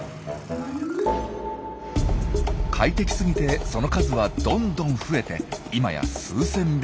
快適すぎてその数はどんどん増えて今や数千匹。